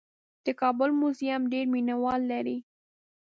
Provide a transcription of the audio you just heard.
د کابل موزیم ډېر مینه وال لري.